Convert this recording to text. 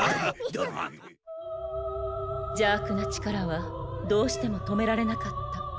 邪悪な力はどうしても止められなかった。